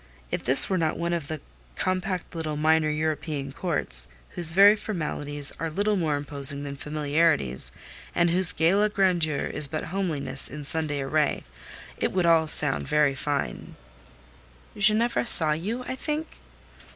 If this were not one of the compact little minor European courts, whose very formalities are little more imposing than familiarities, and whose gala grandeur is but homeliness in Sunday array, it would sound all very fine." "Ginevra saw you, I think?"